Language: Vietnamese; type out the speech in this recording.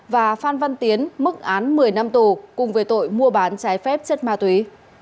và phan văn tiến mức án một mươi năm tù cùng về tội mua bán trái phép chất ma túy